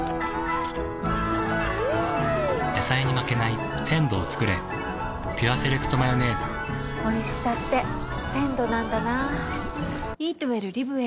野菜に負けない鮮度をつくれ「ピュアセレクトマヨネーズ」おいしさって鮮度なんだな。